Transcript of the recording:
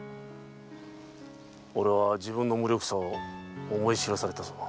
俺は自分の無力さを思い知らされたぞ。